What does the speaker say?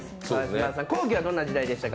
後期はどんな時代でしたか？